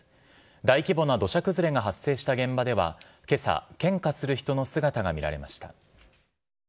大規模な土砂崩れが発生した現場では、けさ、献花する人の姿が見られました。